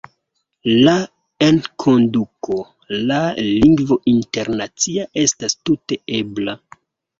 La enkonduko de lingvo internacia estas tute ebla;.